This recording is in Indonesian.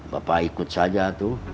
bapak ikut saja tuh